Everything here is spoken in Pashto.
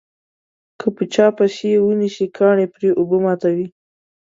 که په چا پسې یې ونسي کاڼي پرې اوبه ماتوي.